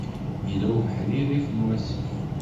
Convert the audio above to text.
Yella ubeḥri rrif n wasif.